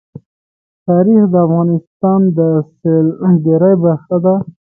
تاریخ د افغانستان د سیلګرۍ برخه ده.